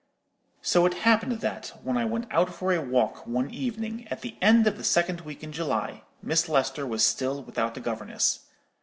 So it happened that, when I went out for a walk one evening, at the end of the second week in July, Miss Lester was still without a governess.